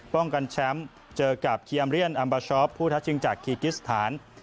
ป้องกันแชมป์เจอกับคีอัมเรียนอัมบาชอปผู้ทักชิงจากคีกิสถาน